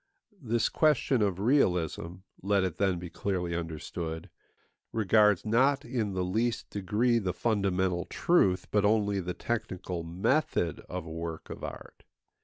This question of realism, let it then be clearly understood, regards not in the least degree the fundamental truth, but only the technical method, of a work of art.